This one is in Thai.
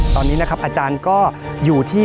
ตอนนี้นะครับอาจารย์ก็อยู่ที่